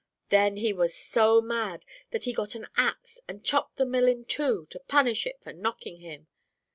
Then he was so mad that he got an axe and chopped the mill in two, to punish it for knocking him.